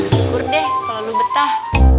syukur deh kalau lo betah